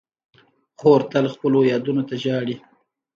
خور تل خپلو یادونو ته ژاړي.